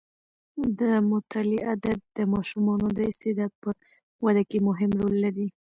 د مطالعې عادت د ماشومانو د استعداد په وده کې مهم رول لري.